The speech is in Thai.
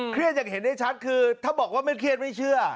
อย่างเห็นได้ชัดคือถ้าบอกว่าไม่เครียดไม่เชื่อ